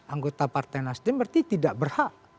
anggota partai nasdem berarti tidak berhak